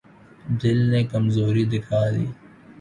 دل نے کمزوری دکھا دی۔